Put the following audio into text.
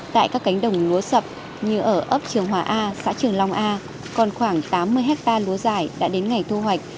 tại các cánh đồng lúa sập như ở ấp trường hòa a xã trường long a còn khoảng tám mươi hectare lúa giải đã đến ngày thu hoạch